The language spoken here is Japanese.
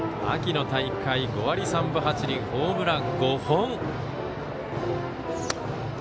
秋の大会５割３分８厘ホームラン５本。